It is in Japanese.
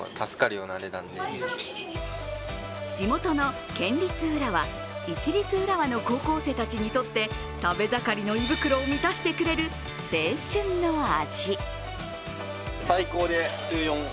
地元の県立浦和、市立浦和の高校生たちにとって食べ盛りの胃袋を満たしてくれる青春の味。